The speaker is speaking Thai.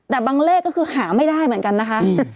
แต่บางเลขก็คือหาไม่ได้เหมือนกันนะคะ